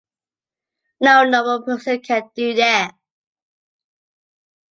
No normal person can do that.